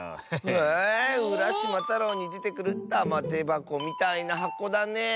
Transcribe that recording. えうらしまたろうにでてくるたまてばこみたいなはこだねえ。